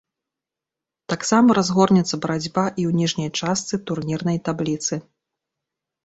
Таксама разгорнецца барацьба і ў ніжняй частцы турнірнай табліцы.